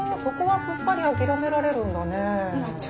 そこはすっぱり諦められるんだね。